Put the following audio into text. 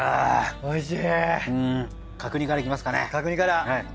おいしい！